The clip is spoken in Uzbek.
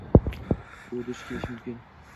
U duch kelish mumkin.